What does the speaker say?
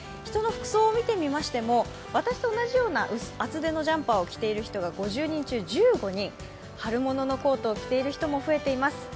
人の服装を見てみましても私と同じような厚手のジャンパーを着ている人が５０人中１５人、春物のコートを着ている人も増えています。